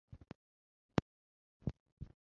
山本草太为日本男子花式滑冰选手。